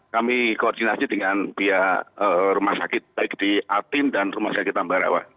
kami koordinasi dengan pihak rumah sakit baik di atin dan rumah sakit tambarawa